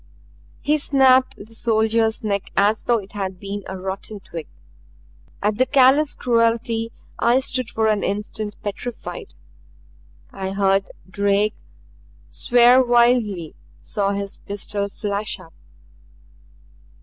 He snapped the soldier's neck as though it had been a rotten twig. At the callous cruelty I stood for an instant petrified; I heard Drake swear wildly, saw his pistol flash up.